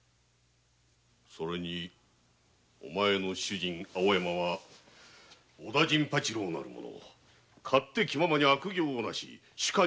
それにお前の主人青山は「小田陣八郎なる者勝手気ままに悪行をなし主家に仇なす者」